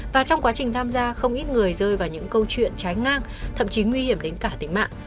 và trong quá trình tham gia không ít người rơi vào những câu chuyện trái ngang thậm chí nguy hiểm đến cả tính mạng